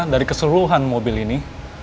dari keseluruhan mobil ini